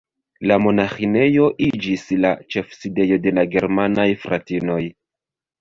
La monaĥinejo iĝis la ĉefsidejo de la germanaj fratinoj.